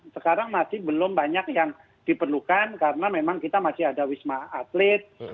sekarang masih belum banyak yang diperlukan karena memang kita masih ada wisma atlet